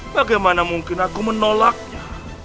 bagaimana mungkin aku menolaknya